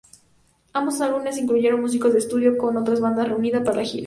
Ambos álbumes incluyeron músicos de estudio con otra banda reunida para la gira.